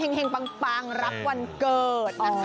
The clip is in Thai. ให้เพ็งปังรับวันเกิดนะคะ